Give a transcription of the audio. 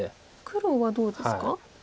黒はどうですか？